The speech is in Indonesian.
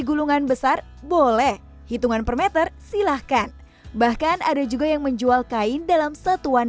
gulungan besar boleh hitungan per meter silahkan bahkan ada juga yang menjual kain dalam satuan